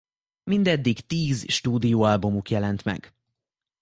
Mindeddig tíz stúdióalbumuk jelent meg.